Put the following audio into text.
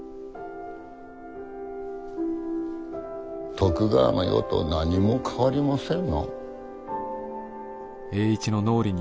徳川の世と何も変わりませぬな。